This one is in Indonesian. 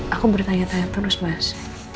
aku bertanya tanya terus mas